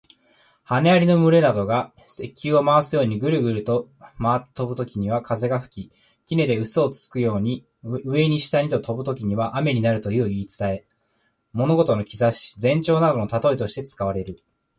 羽蟻の群れなどが石臼を回すようにぐるぐると回って飛ぶときには風が吹き、杵で臼をつくように、上に下にと飛ぶときには雨になるという言い伝え。物事の兆し、前兆などの例えとして使われる。